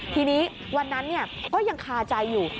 ทีนี้วันนั้นก็ยังคาใจอยู่